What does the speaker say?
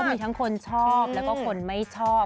มีทั้งคนชอบแล้วก็คนไม่ชอบ